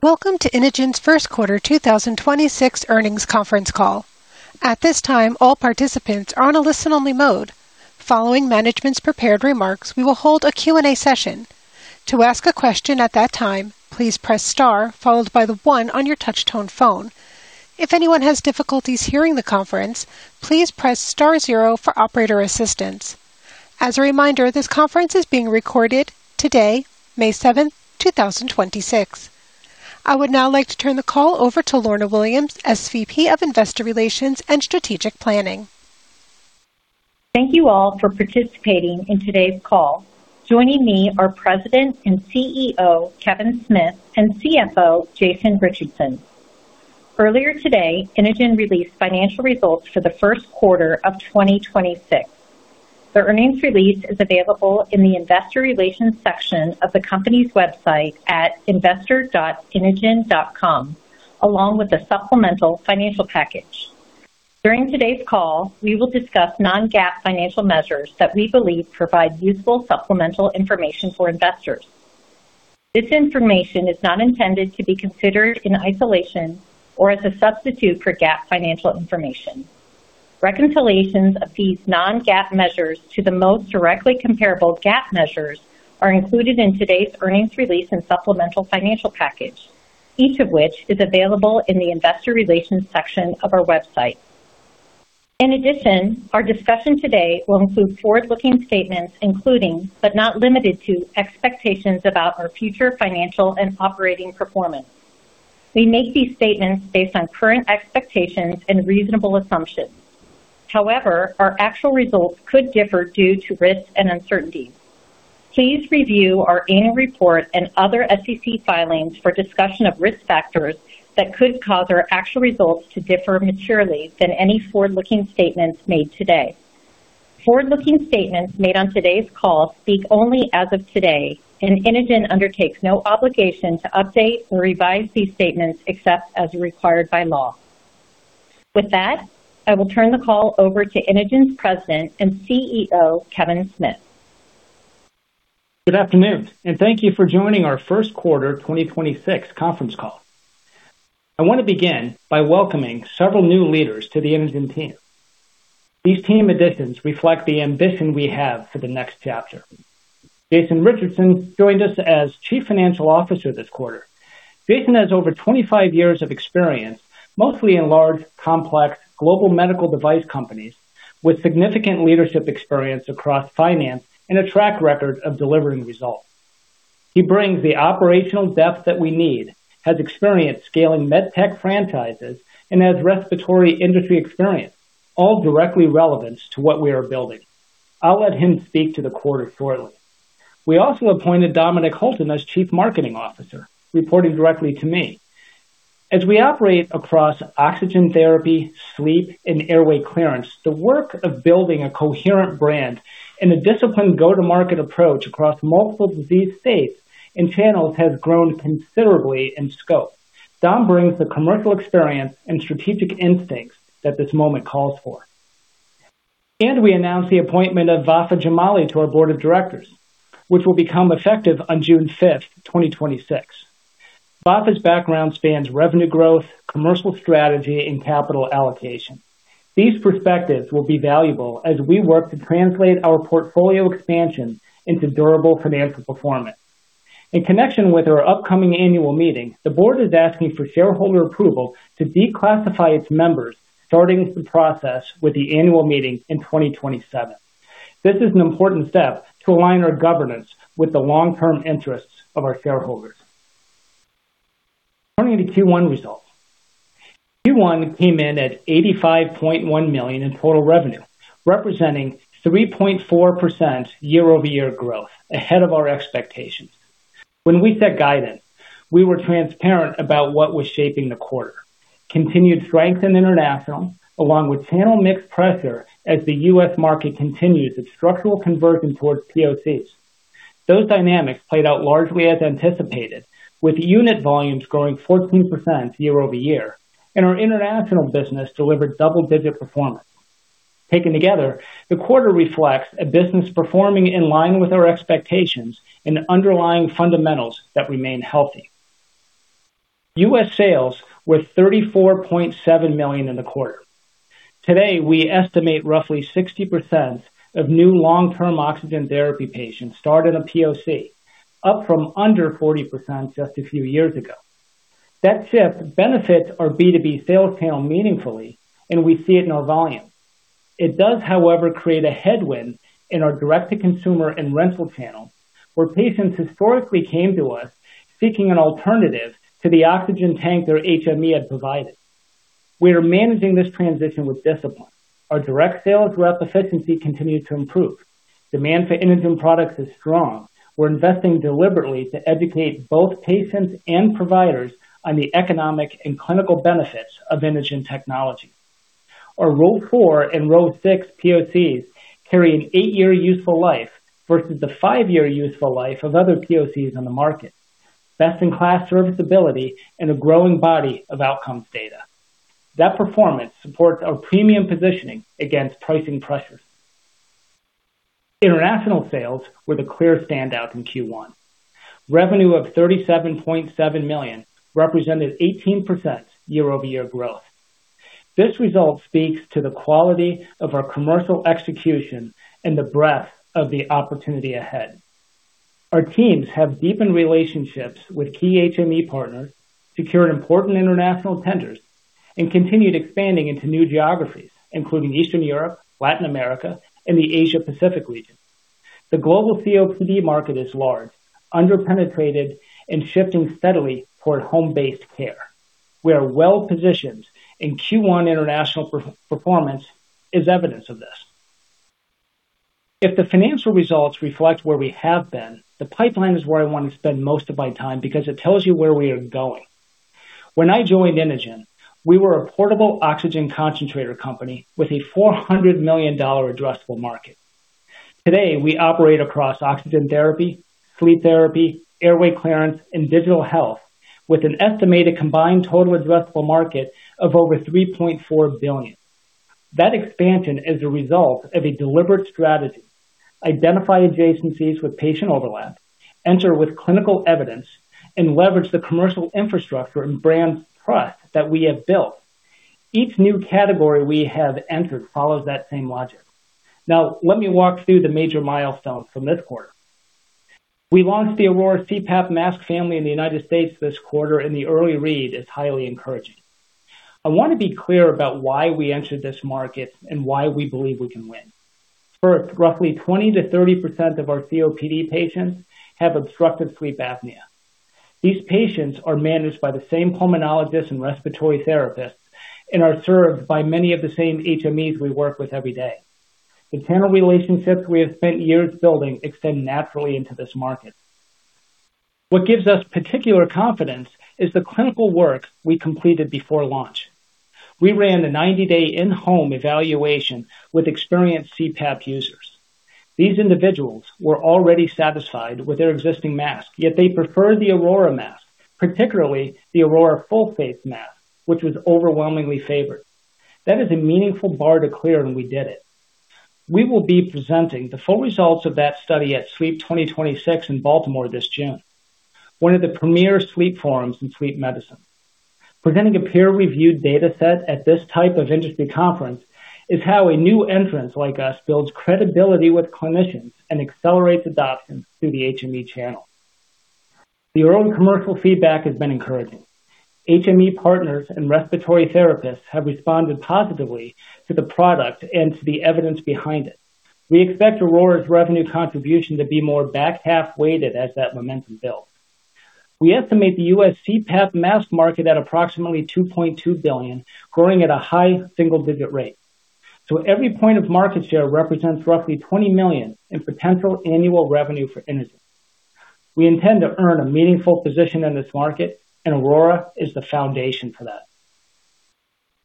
Welcome to Inogen's first quarter 2026 earnings Conference Call. I would now like to turn the call over to Lorna Williams, SVP of Investor Relations and Strategic Planning. Thank you all for participating in today's call. Joining me are President and CEO, Kevin Smith, and CFO, Jason Richardson. Earlier today, Inogen released financial results for the first quarter of 2026. The earnings release is available in the investor relations section of the company's website at investor.inogen.com, along with a supplemental financial package. During today's call, we will discuss non-GAAP financial measures that we believe provide useful supplemental information for investors. This information is not intended to be considered in isolation or as a substitute for GAAP financial information. Reconciliations of these non-GAAP measures to the most directly comparable GAAP measures are included in today's earnings release and supplemental financial package, each of which is available in the investor relations section of our website. In addition, our discussion today will include forward-looking statements, including, but not limited to, expectations about our future financial and operating performance. We make these statements based on current expectations and reasonable assumptions. Our actual results could differ due to risks and uncertainties. Please review our annual report and other SEC filings for discussion of risk factors that could cause our actual results to differ materially from any forward-looking statements made today. Forward-looking statements made on today's call speak only as of today. Inogen undertakes no obligation to update or revise these statements except as required by law. With that, I will turn the call over to Inogen's President and CEO, Kevin Smith. Good afternoon, and thank you for joining our first quarter 2026 Conference Call. I wanna begin by welcoming several new leaders to the Inogen team. These team additions reflect the ambition we have for the next chapter. Jason Richardson joined us as Chief Financial Officer this quarter. Jason has over 25 years of experience, mostly in large, complex global medical device companies with significant leadership experience across finance and a track record of delivering results. He brings the operational depth that we need, has experience scaling MedTech franchises, and has respiratory industry experience, all directly relevant to what we are building. I'll let him speak to the quarter shortly. We also appointed Dominic Hulton as Chief Marketing Officer, reporting directly to me. As we operate across oxygen therapy, sleep, and airway clearance, the work of building a coherent brand and a disciplined go-to-market approach across multiple disease states and channels has grown considerably in scope. Dom brings the commercial experience and strategic instincts that this moment calls for. We announced the appointment of Vafa Jamali to our board of directors, which will become effective on 5th June 2026. Vafa's background spans revenue growth, commercial strategy, and capital allocation. These perspectives will be valuable as we work to translate our portfolio expansion into durable financial performance. In connection with our upcoming annual meeting, the Board is asking for shareholder approval to declassify its members, starting the process with the annual meeting in 2027. This is an important step to align our governance with the long-term interests of our shareholders. Turning to Q1 results. Q1 came in at $85.1 million in total revenue, representing 3.4% year-over-year growth, ahead of our expectations. When we set guidance, we were transparent about what was shaping the quarter. Continued strength in international, along with channel mix pressure as the U.S. market continues its structural conversion towards POCs. Those dynamics played out largely as anticipated, with unit volumes growing 14% year-over-year, and our international business delivered double-digit performance. Taken together, the quarter reflects a business performing in line with our expectations and underlying fundamentals that remain healthy. U.S. sales were $34.7 million in the quarter. Today, we estimate roughly 60% of new long-term oxygen therapy patients start on a POC, up from under 40% just a few years ago. That shift benefits our B2B sales channel meaningfully, and we see it in our volume. It does, however, create a headwind in our direct-to-consumer and rental channel, where patients historically came to us seeking an alternative to the oxygen tank their HME had provided. We are managing this transition with discipline. Our direct sales rep efficiency continues to improve. Demand for Inogen products is strong. We're investing deliberately to educate both patients and providers on the economic and clinical benefits of Inogen technology. Our Rove 4 and Rove 6 POCs carry an eight year useful life versus the five year useful life of other POCs on the market, best-in-class serviceability and a growing body of outcomes data. That performance supports our premium positioning against pricing pressures. International sales were the clear standout in Q1. Revenue of $37.7 million represented 18% year-over-year growth. This result speaks to the quality of our commercial execution and the breadth of the opportunity ahead. Our teams have deepened relationships with key HME partners, secured important international tenders, and continued expanding into new geographies, including Eastern Europe, Latin America, and the Asia Pacific region. The global COPD market is large, under-penetrated, and shifting steadily toward home-based care. We are well positioned, and Q1 international performance is evidence of this. If the financial results reflect where we have been, the pipeline is where I want to spend most of my time because it tells you where we are going. When I joined Inogen, we were a portable oxygen concentrator company with a $400 million addressable market. Today, we operate across oxygen therapy, sleep therapy, airway clearance, and digital health with an estimated combined total addressable market of over $3.4 billion. That expansion is a result of a deliberate strategy. Identify adjacencies with patient overlap, enter with clinical evidence, and leverage the commercial infrastructure and brand trust that we have built. Each new category we have entered follows that same logic. Let me walk through the major milestones from this quarter. We launched the Aurora CPAP mask family in the U.S. this quarter, and the early read is highly encouraging. I want to be clear about why we entered this market and why we believe we can win. First, roughly 20%-30% of our COPD patients have obstructive sleep apnea. These patients are managed by the same pulmonologists and respiratory therapists and are served by many of the same HMEs we work with every day. The channel relationships we have spent years building extend naturally into this market. What gives us particular confidence is the clinical work we completed before launch. We ran a 90-day in-home evaluation with experienced CPAP users. These individuals were already satisfied with their existing mask, yet they preferred the Aurora mask, particularly the Aurora full face mask, which was overwhelmingly favored. That is a meaningful bar to clear, and we did it. We will be presenting the full results of that study at SLEEP 2026 in Baltimore this June, one of the premier sleep forums in sleep medicine. Presenting a peer-reviewed data set at this type of industry conference is how a new entrant like us builds credibility with clinicians and accelerates adoption through the HME channel. The early commercial feedback has been encouraging. HME partners and respiratory therapists have responded positively to the product and to the evidence behind it. We expect Aurora's revenue contribution to be more back-half weighted as that momentum builds. We estimate the U.S. CPAP mask market at approximately $2.2 billion, growing at a high single-digit rate. Every point of market share represents roughly $20 million in potential annual revenue for Inogen. We intend to earn a meaningful position in this market, and Aurora is the foundation for that.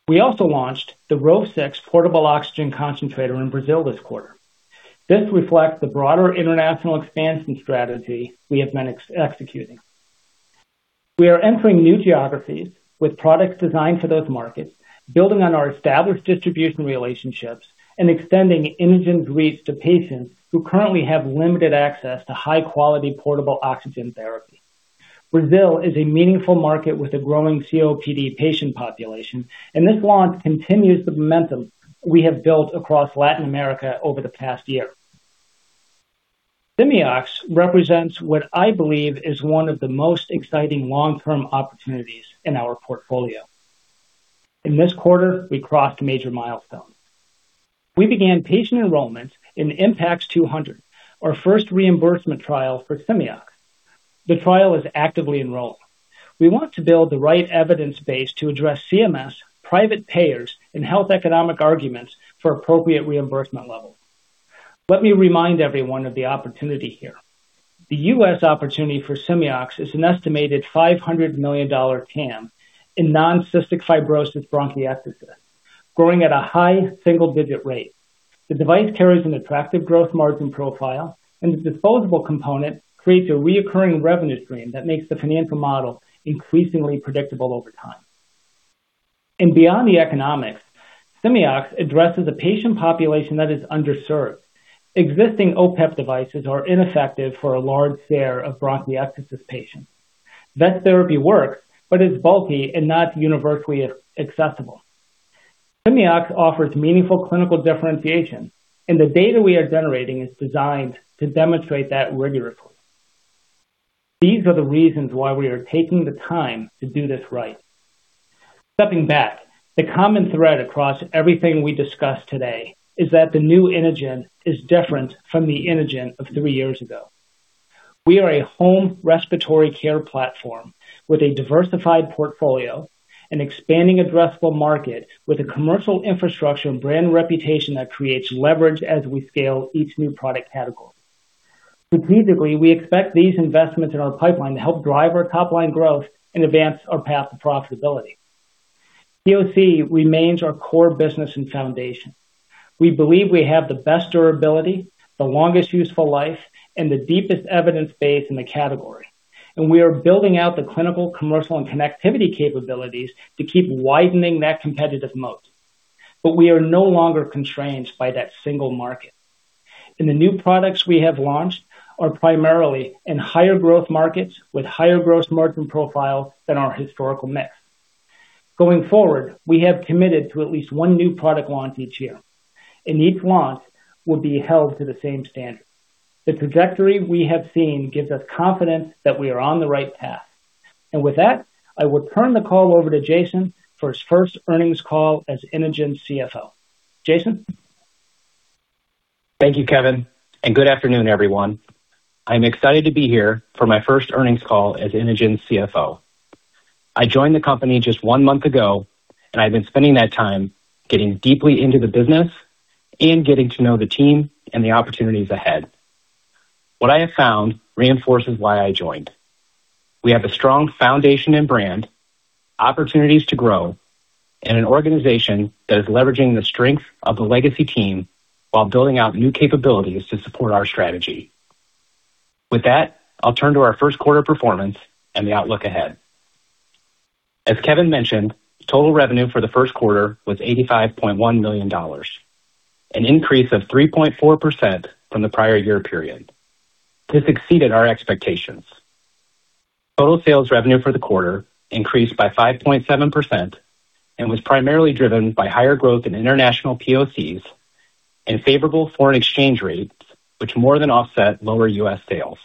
We also launched the Rove 6 portable oxygen concentrator in Brazil this quarter. This reflects the broader international expansion strategy we have been executing. We are entering new geographies with products designed for those markets, building on our established distribution relationships, and extending Inogen's reach to patients who currently have limited access to high-quality portable oxygen therapy. Brazil is a meaningful market with a growing COPD patient population, and this launch continues the momentum we have built across Latin America over the past year. Simeox represents what I believe is one of the most exciting long-term opportunities in our portfolio. In this quarter, we crossed a major milestone. We began patient enrollment in IMPACTs 200, our first reimbursement trial for Simeox. The trial is actively enrolling. We want to build the right evidence base to address CMS, private payers, and health economic arguments for appropriate reimbursement levels. Let me remind everyone of the opportunity here. The U.S. opportunity for Simeox is an estimated $500 million TAM in non-cystic fibrosis bronchiectasis, growing at a high single-digit rate. The device carries an attractive gross margin profile, the disposable component creates a reoccurring revenue stream that makes the financial model increasingly predictable over time. Beyond the economics, Simeox addresses a patient population that is underserved. Existing OPEP devices are ineffective for a large share of bronchiectasis patients. Vest therapy works, but is bulky and not universally ac-accessible. Simeox offers meaningful clinical differentiation, and the data we are generating is designed to demonstrate that rigorously. These are the reasons why we are taking the time to do this right. Stepping back, the common thread across everything we discussed today is that the new Inogen is different from the Inogen of three years ago. We are a home respiratory care platform with a diversified portfolio and expanding addressable market with a commercial infrastructure and brand reputation that creates leverage as we scale each new product category. Strategically, we expect these investments in our pipeline to help drive our top-line growth and advance our path to profitability. POC remains our core business and foundation. We believe we have the best durability, the longest useful life, and the deepest evidence base in the category. We are building out the clinical, commercial, and connectivity capabilities to keep widening that competitive moat. We are no longer constrained by that single market. The new products we have launched are primarily in higher growth markets with higher gross margin profiles than our historical mix. Going forward, we have committed to at least one new product launch each year, and each launch will be held to the same standard. The trajectory we have seen gives us confidence that we are on the right path. With that, I will turn the call over to Jason for his first earnings call as Inogen CFO. Jason? Thank you, Kevin, and good afternoon, everyone. I'm excited to be here for my first earnings call as Inogen CFO. I joined the company just one month ago, and I've been spending that time getting deeply into the business and getting to know the team and the opportunities ahead. What I have found reinforces why I joined. We have a strong foundation and brand, opportunities to grow, and an organization that is leveraging the strength of the legacy team while building out new capabilities to support our strategy. With that, I'll turn to our first quarter performance and the outlook ahead. As Kevin mentioned, total revenue for the first quarter was $85.1 million, an increase of 3.4% from the prior year period. This exceeded our expectations. Total sales revenue for the quarter increased by 5.7% and was primarily driven by higher growth in international POCs and favorable foreign exchange rates, which more than offset lower U.S. sales.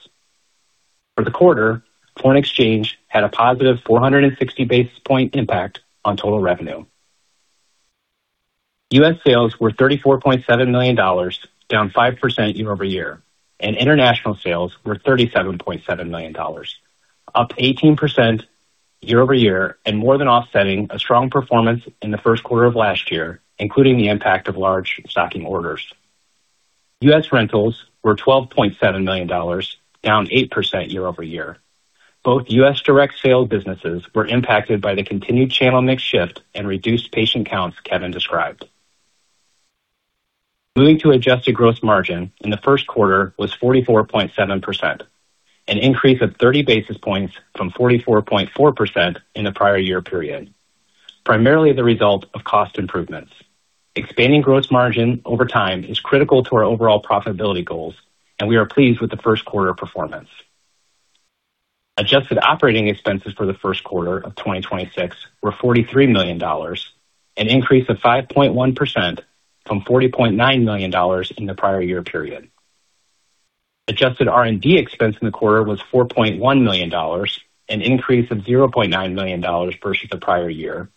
For the quarter, foreign exchange had a positive 460 basis point impact on total revenue. U.S. sales were $34.7 million, down 5% year-over-year, and international sales were $37.7 million, up 18% year-over-year and more than offsetting a strong performance in the first quarter of last year, including the impact of large stocking orders. U.S. rentals were $12.7 million, down 8% year-over-year. Both U.S. direct sale businesses were impacted by the continued channel mix shift and reduced patient counts Kevin described. Moving to adjusted gross margin in the first quarter was 44.7%, an increase of 30 basis points from 44.4% in the prior year period, primarily the result of cost improvements. Expanding gross margin over time is critical to our overall profitability goals, and we are pleased with the first quarter performance. Adjusted operating expenses for the first quarter of 2026 were $43 million, an increase of 5.1% from $40.9 million in the prior year period. Adjusted R&D expense in the quarter was $4.1 million, an increase of $0.9 million versus the prior year,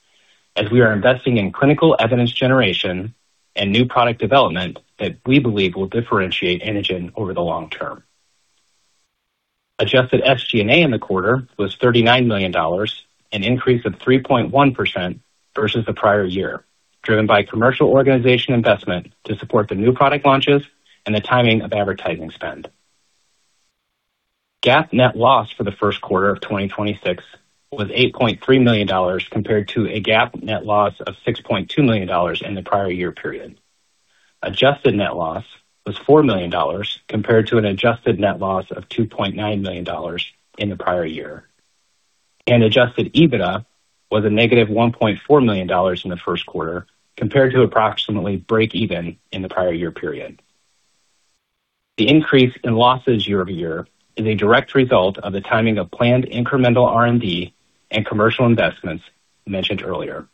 as we are investing in clinical evidence generation and new product development that we believe will differentiate Inogen over the long term. Adjusted SG&A in the quarter was $39 million, an increase of 3.1% versus the prior year, driven by commercial organization investment to support the new product launches and the timing of advertising spend. GAAP net loss for the first quarter of 2026 was $8.3 million compared to a GAAP net loss of $6.2 million in the prior year period. Adjusted net loss was $4 million compared to an adjusted net loss of $2.9 million in the prior year. Adjusted EBITDA was a negative $1.4 million in the first quarter compared to approximately break even in the prior year period. The increase in losses year-over-year is a direct result of the timing of planned incremental R&D and commercial investments mentioned earlier.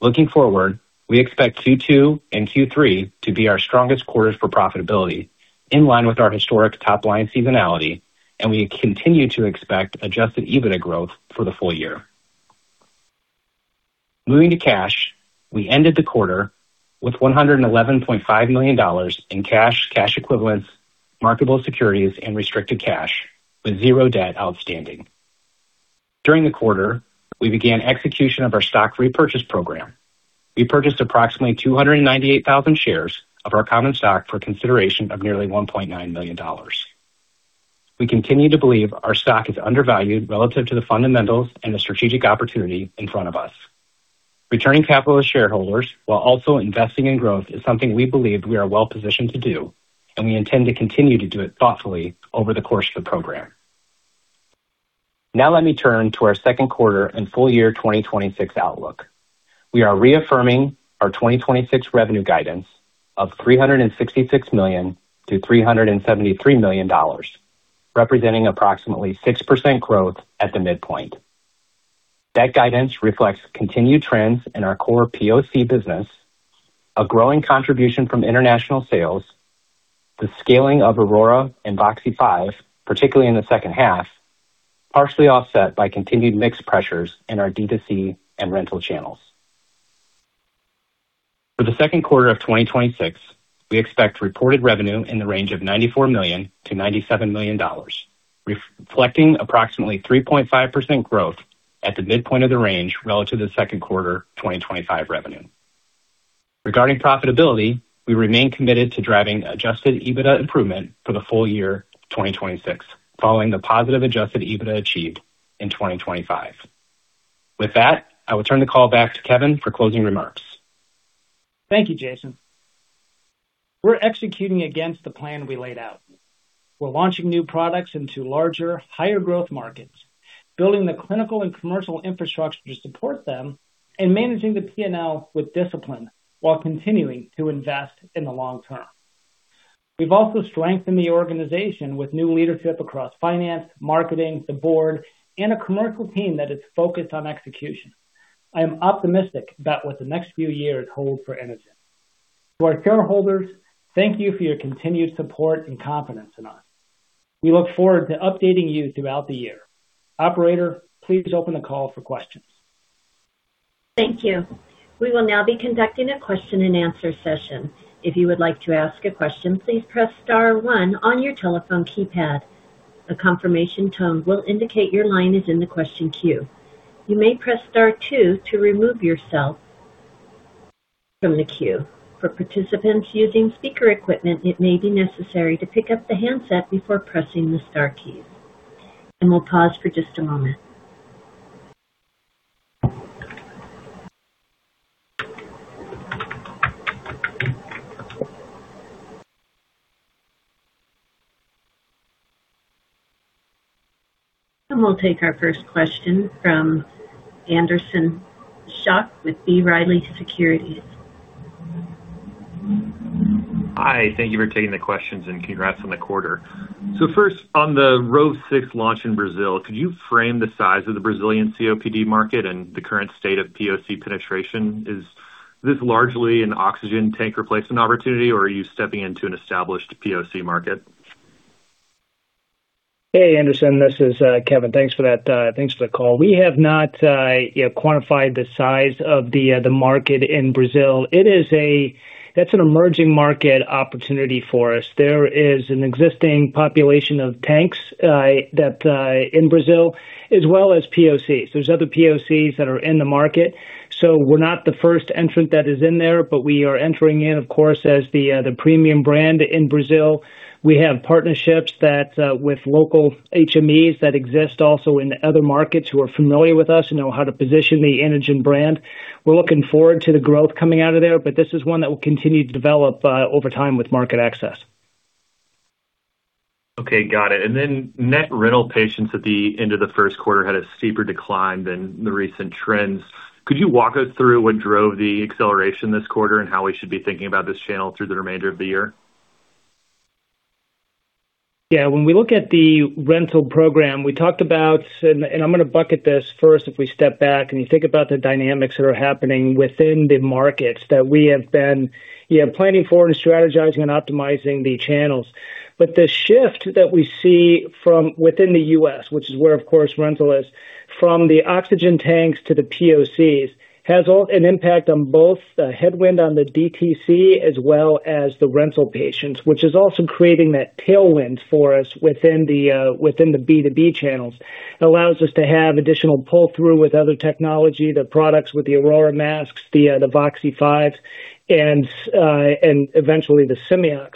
Looking forward, we expect Q2 and Q3 to be our strongest quarters for profitability in line with our historic top-line seasonality, and we continue to expect adjusted EBITDA growth for the full year. Moving to cash, we ended the quarter with $111.5 million in cash equivalents, marketable securities, and restricted cash with 0 debt outstanding. During the quarter, we began execution of our stock repurchase program. We purchased approximately 298,000 shares of our common stock for consideration of nearly $1.9 million. We continue to believe our stock is undervalued relative to the fundamentals and the strategic opportunity in front of us. Returning capital to shareholders while also investing in growth is something we believe we are well-positioned to do, and we intend to continue to do it thoughtfully over the course of the program. Now let me turn to our second quarter and full year 2026 outlook. We are reaffirming our 2026 revenue guidance of $366 million-$373 million, representing approximately 6% growth at the midpoint. That guidance reflects continued trends in our core POC business, a growing contribution from international sales, the scaling of Aurora and Voxi 5, particularly in the second half, partially offset by continued mix pressures in our D2C and rental channels. For the second quarter of 2026, we expect reported revenue in the range of $94 million-$97 million, reflecting approximately 3.5% growth at the midpoint of the range relative to second quarter 2025 revenue. Regarding profitability, we remain committed to driving adjusted EBITDA improvement for the full year 2026, following the positive adjusted EBITDA achieved in 2025. With that, I will turn the call back to Kevin for closing remarks. Thank you, Jason. We're executing against the plan we laid out. We're launching new products into larger, higher growth markets, building the clinical and commercial infrastructure to support them, and managing the P&L with discipline while continuing to invest in the long term. We've also strengthened the organization with new leadership across finance, marketing, the board, and a commercial team that is focused on execution. I am optimistic about what the next few years hold for Inogen. To our shareholders, thank you for your continued support and confidence in us. We look forward to updating you throughout the year. Operator, please open the call for questions. Thank you. We will now be conducting a question-and-answer session. If you would like to ask a question, please press star one on your telephone keypad. A confirmation tone will indicate your line is in the question queue. You may press star two to remove yourself from the queue. For participants using speaker equipment, it may be necessary to pick up the handset before pressing the star key. We'll pause for just a moment. We'll take our first question from Anderson Schock with B. Riley Securities. Hi. Thank you for taking the questions and congrats on the quarter. First, on the Rove 6 launch in Brazil, could you frame the size of the Brazilian COPD market and the current state of POC penetration? Is this largely an oxygen tank replacement opportunity, or are you stepping into an established POC market? Hey, Anderson Schock. This is Kevin. Thanks for that. Thanks for the call. We have not, you know, quantified the size of the market in Brazil. That's an emerging market opportunity for us. There is an existing population of tanks that in Brazil as well as POC. There's other POCs that are in the market. We're not the first entrant that is in there, but we are entering in, of course, as the premium brand in Brazil. We have partnerships that with local HMEs that exist also in other markets who are familiar with us and know how to position the Inogen brand. We're looking forward to the growth coming out of there, but this is one that will continue to develop over time with market access. Okay, got it. Net rental patients at the end of the first quarter had a steeper decline than the recent trends. Could you walk us through what drove the acceleration this quarter and how we should be thinking about this channel through the remainder of the year? When we look at the rental program, we talked about, and I'm going to bucket this first if we step back and you think about the dynamics that are happening within the markets that we have been, you know, planning for and strategizing and optimizing the channels. The shift that we see from within the U.S., which is where, of course, rental is, from the oxygen tanks to the POCs, has an impact on both the headwind on the DTC as well as the rental patients, which is also creating that tailwind for us within the B2B channels. It allows us to have additional pull-through with other technology, the products with the Aurora masks, the Voxi 5, and eventually the Simeox.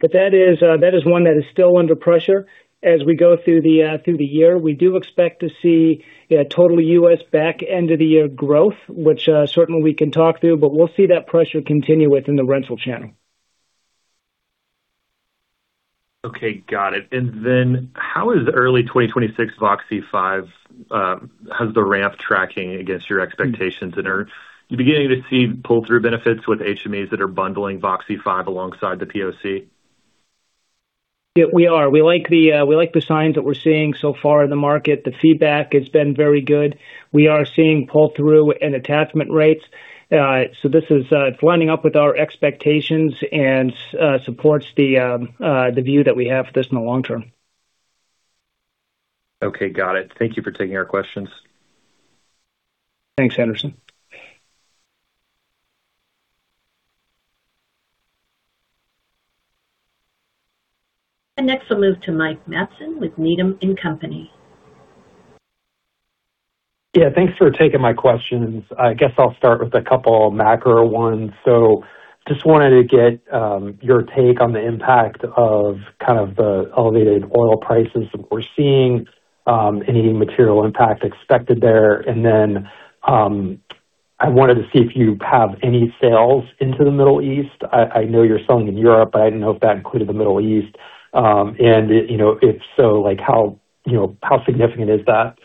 That is one that is still under pressure as we go through the year. We do expect to see a total U.S. back end of the year growth, which, certainly we can talk through, but we'll see that pressure continue within the rental channel. Okay, got it. How's the ramp tracking against your expectations? Are you beginning to see pull-through benefits with HMEs that are bundling Voxi 5 alongside the POC? Yeah, we are. We like the signs that we're seeing so far in the market. The feedback has been very good. We are seeing pull-through and attachment rates. This is lining up with our expectations and supports the view that we have for this in the long term. Okay, got it. Thank you for taking our questions. Thanks, Anderson. Next we'll move to Mike Matson with Needham & Company. Thanks for taking my questions. I guess I'll start with a couple of macro ones. Just wanted to get your take on the impact of kind of the elevated oil prices that we're seeing, any material impact expected there. I wanted to see if you have any sales into the Middle East. I know you're selling in Europe, but I didn't know if that included the Middle East. You know, if so, like how, you know, how significant is that?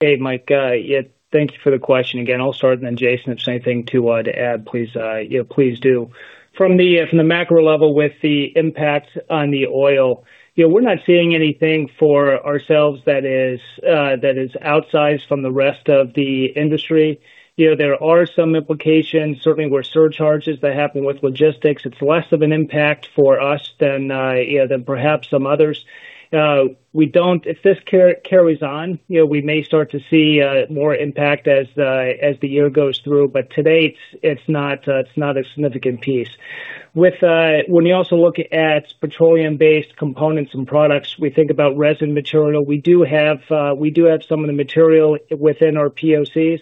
Hey, Mike. Yeah, thank you for the question again. I'll start, and then Jason, if you have anything to add, please, you know, please do. From the from the macro level with the impact on the oil, you know, we're not seeing anything for ourselves that is that is outsized from the rest of the industry. You know, there are some implications, certainly where surcharges that happen with logistics. It's less of an impact for us than, you know, than perhaps some others. If this carries on, you know, we may start to see more impact as as the year goes through, but to date, it's not it's not a significant piece. With, when you also look at petroleum-based components and products, we think about resin material. We do have some of the material within our POCs.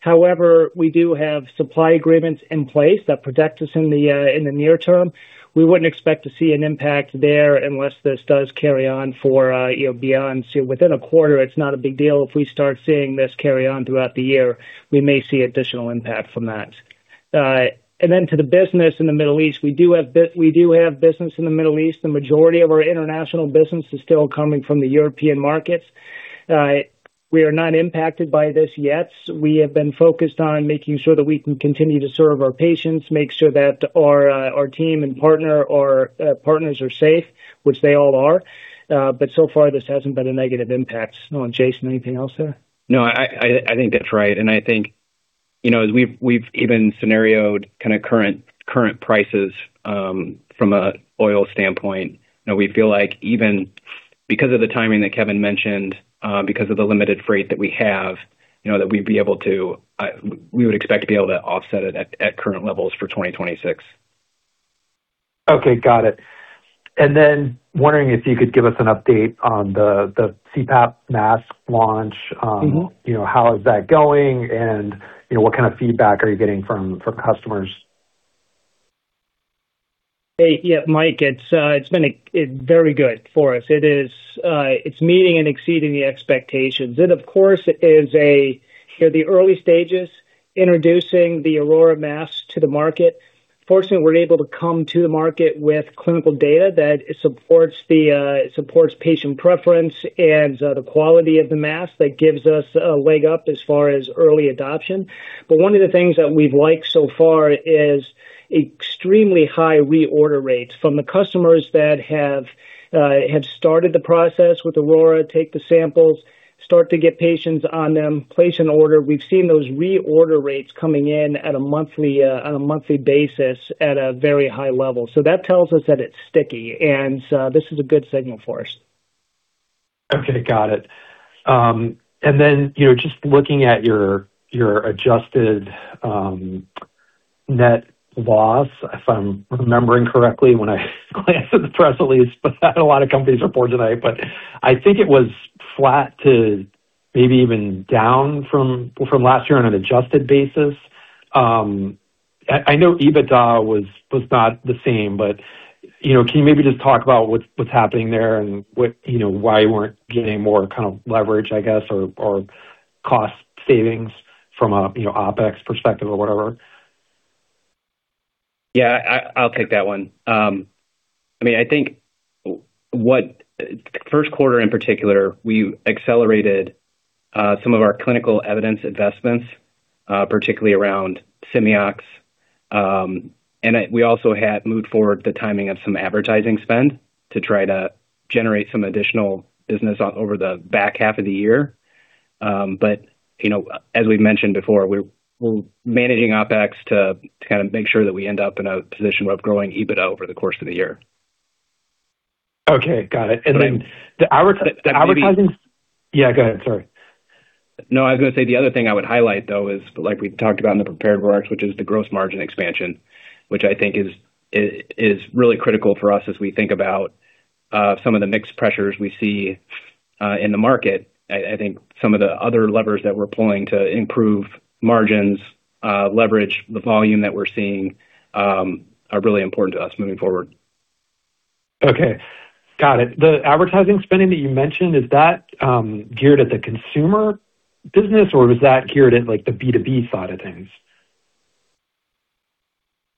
However, we do have supply agreements in place that protect us in the near term. We wouldn't expect to see an impact there unless this does carry on for, you know, beyond. Within a quarter, it's not a big deal. If we start seeing this carry on throughout the year, we may see additional impact from that. To the business in the Middle East, we do have business in the Middle East. The majority of our international business is still coming from the European markets. We are not impacted by this yet. We have been focused on making sure that we can continue to serve our patients, make sure that our team and partner or partners are safe, which they all are. So far, this hasn't been a negative impact. Jason, anything else there? No, I think that's right. I think, you know, as we've even scenarioed kind of current prices from a oil standpoint. You know, we feel like even because of the timing that Kevin mentioned, because of the limited freight that we have, you know, that we'd be able to, we would expect to be able to offset it at current levels for 2026. Okay, got it. Wondering if you could give us an update on the CPAP mask launch? You know, how is that going? You know, what kind of feedback are you getting from customers? Hey, yeah, Mike, it's been a very good for us. It is, it's meeting and exceeding the expectations. It, of course, is a, you know, the early stages, introducing the Aurora masks to the market. Fortunately, we're able to come to the market with clinical data that supports the supports patient preference and the quality of the mask that gives us a leg up as far as early adoption. One of the things that we've liked so far is extremely high reorder rates from the customers that have started the process with Aurora, take the samples, start to get patients on them, place an order. We've seen those reorder rates coming in at a monthly on a monthly basis at a very high level. That tells us that it's sticky, and this is a good signal for us. Okay, got it. you know, just looking at your adjusted net loss, if I'm remembering correctly when I glanced at the press release, but not a lot of companies report tonight. I think it was flat to maybe even down from last year on an adjusted basis. I know EBITDA was not the same, but, you know, can you maybe just talk about what's happening there and what, you know, why you weren't getting more kind of leverage, I guess, or cost savings from a, you know, OpEx perspective or whatever? Yeah, I'll take that one. I mean, I think first quarter, in particular, we accelerated some of our clinical evidence investments, particularly around Simeox. We also had moved forward the timing of some advertising spend to try to generate some additional business over the back half of the year. You know, as we've mentioned before, we're managing OpEx to kind of make sure that we end up in a position of growing EBITDA over the course of the year. Okay, got it. But I- And then the advert- The, the, maybe- The advertising. Yeah, go ahead. Sorry. No, I was going to say the other thing I would highlight, though, is like we talked about in the prepared remarks, which is the gross margin expansion, which I think is really critical for us as we think about some of the mixed pressures we see in the market. I think some of the other levers that we're pulling to improve margins, leverage the volume that we're seeing, are really important to us moving forward. Okay, got it. The advertising spending that you mentioned, is that geared at the consumer business, or was that geared at like the B2B side of things?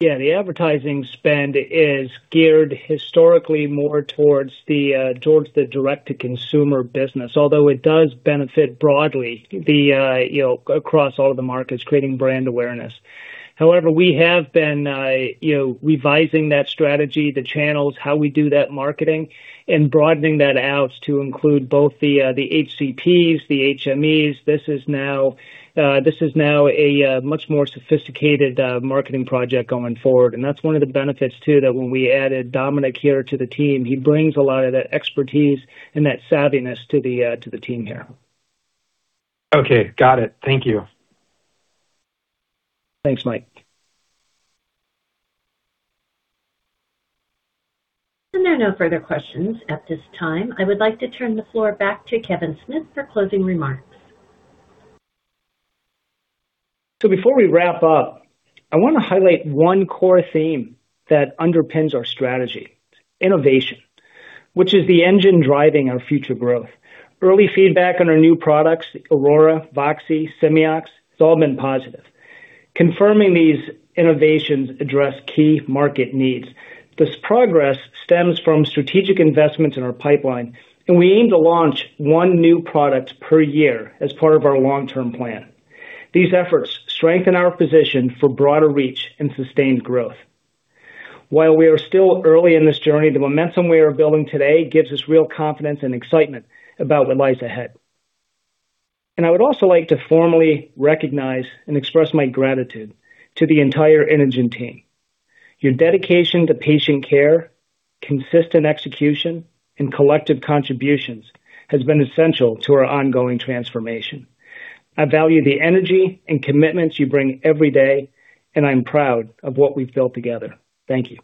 The advertising spend is geared historically more towards the direct-to-consumer business, although it does benefit broadly the, you know, across all the markets, creating brand awareness. We have been, you know, revising that strategy, the channels, how we do that marketing, and broadening that out to include both the HCPs, the HMEs. This is now, this is now a much more sophisticated marketing project going forward, and that's one of the benefits too that when we added Dominic here to the team. He brings a lot of that expertise and that savviness to the team here. Okay, got it. Thank you. Thanks, Mike. There are no further questions at this time. I would like to turn the floor back to Kevin Smith for closing remarks. Before we wrap up, I wanna highlight one core theme that underpins our strategy, innovation, which is the engine driving our future growth. Early feedback on our new products, Aurora, Voxi, Simeox, it's all been positive. Confirming these innovations address key market needs. This progress stems from strategic investments in our pipeline, and we aim to launch one new product per year as part of our long-term plan. These efforts strengthen our position for broader reach and sustained growth. While we are still early in this journey, the momentum we are building today gives us real confidence and excitement about what lies ahead. I would also like to formally recognize and express my gratitude to the entire Inogen team. Your dedication to patient care, consistent execution, and collective contributions has been essential to our ongoing transformation. I value the energy and commitments you bring every day, and I'm proud of what we've built together. Thank you.